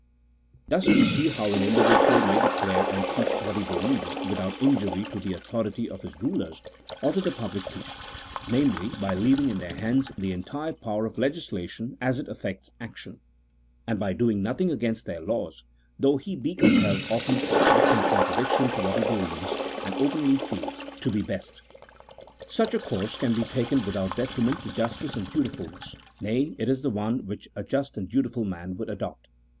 Thus we see how an individual may declare and teach what he believes, without injury to the authority of his rulers, or to the public peace ; namely, by leaving in their hands the entire power of legislation as it affects action, 260 A THEOLOGICO POLITICAL TREATISE. [CHAP. XX. and by doing nothing against their laws, though he be com pelled often to act in contradiction to what he believes, and openly feels, to be best. Such a course can be taken without detriment to justice and dutifulness, nay, it is the one which a just and dutiful man would adopt.